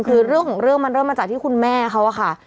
คือเรื่องของเรื่องมันเริ่มมาจากที่คุณแม่เขาอะค่ะ